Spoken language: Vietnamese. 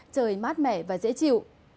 trời mát mẻ và dễ chịu